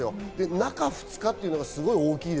中２日というのが大きい。